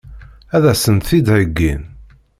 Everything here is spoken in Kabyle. Ad sent-t-id-heggin?